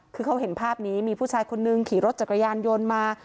คือเขาเห็นภาพนี้มีผู้ชายคนนึงขี่รถจักรยานยนต์มา